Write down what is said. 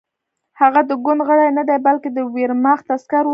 هغه د ګوند غړی نه دی بلکې د ویرماخت عسکر و